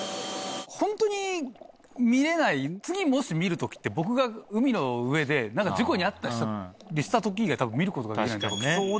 ホントに見れない次もし見る時って僕が海の上で事故に遭ったりした時以外多分見ることができないので。